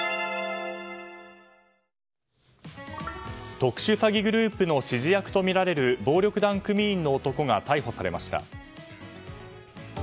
特殊詐欺グループの指示役とみられる暴力団組員の男が逮捕されました。